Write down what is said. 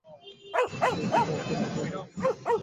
এই কি তার দাম্পত্যের অনন্তকালের ছবি?